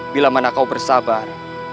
bila mana kau bersabar